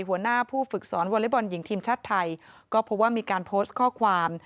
หัวหน้าผู้ฝึกสอนวอเล็กบอลหญิงทีมชาติไทยก็พบว่ามีการโพสต์ข้อความ